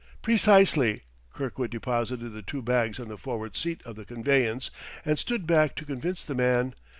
"Precisely." Kirkwood deposited the two bags on the forward seat of the conveyance, and stood back to convince the man.